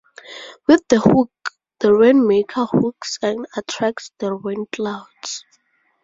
With the hook, the rainmaker hooks and attracts the rainclouds.